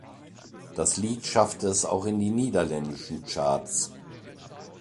Das Lied schaffte es auch in die niederländischen Charts.